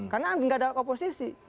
karena tidak ada oposisi